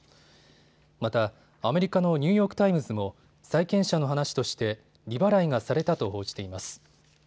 またアメリカのニューヨーク・タイムズも債権者の話として利払いがされたと報じています。